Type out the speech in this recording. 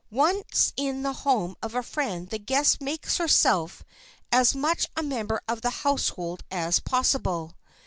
Once in the home of a friend the guest makes herself as much a member of the household as possible.